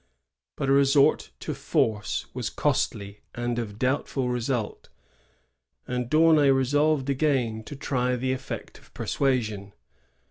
But a resort to force was costly and of doubt ful result, and D'Aunay resolved again to tiy the effect of peisuasion.